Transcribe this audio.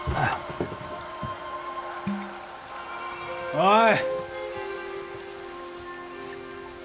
おい！